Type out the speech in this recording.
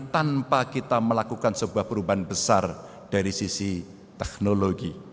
tanpa kita melakukan sebuah perubahan besar dari sisi teknologi